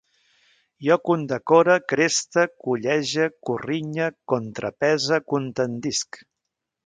Jo condecore, creste, college, corrinye, contrapese, contendisc